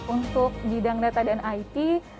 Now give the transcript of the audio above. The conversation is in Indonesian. untuk bidang data dan it